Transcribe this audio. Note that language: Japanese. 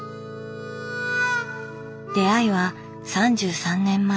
出会いは３３年前。